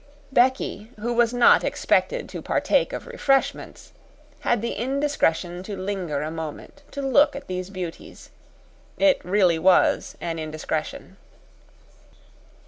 Becky, who was not expected to partake of refreshments, had the indiscretion to linger a moment to look at these beauties it really was an indiscretion.